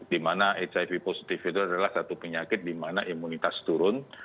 di mana hiv positif itu adalah satu penyakit di mana imunitas turun